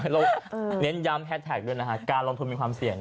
เราเน้นย้ำแฮสแท็กด้วยนะฮะการลงทุนมีความเสี่ยง